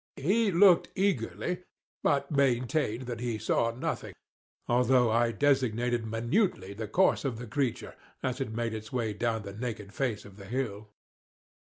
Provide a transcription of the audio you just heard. He looked eagerly—but maintained that he saw nothing—although I designated minutely the course of the creature, as it made its way down the naked face of the hill.